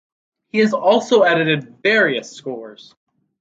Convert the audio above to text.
He has also edited various scores.